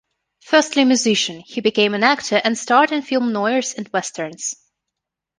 Firstly a musician, he became an actor and starred in film noirs and westerns.